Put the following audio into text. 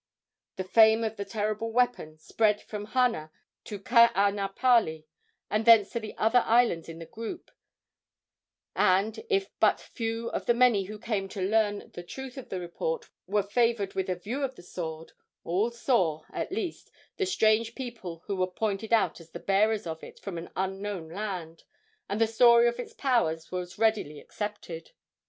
The fame of the terrible weapon spread from Hana to Kaanapali, and thence to the other islands of the group; and if but few of the many who came to learn the truth of the report were favored with a view of the sword, all saw, at least, the strange people who were pointed out as the bearers of it from an unknown land, and the story of its powers was readily accepted.